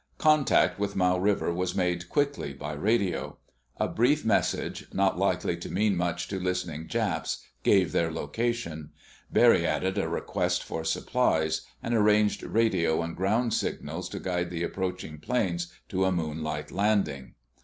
Contact with Mau River was made quickly by radio. A brief message, not likely to mean much to listening Japs, gave their location. Barry added a request for supplies, and arranged radio and ground signals to guide the approaching planes to a moonlight landing.